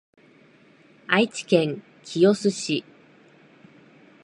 愛知県清須市